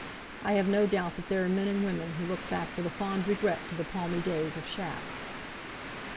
I have no doubt that there are men and women who look back with a fond regret to the palmy days of Shap.